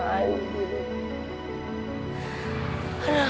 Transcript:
aduh hati gue ngenes banget ya allah